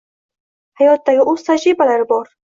Hayotdagi o’z tajribalari bor